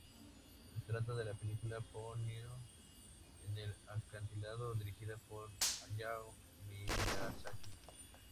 Se trata de la película "Ponyo en el acantilado", dirigida por Hayao Miyazaki.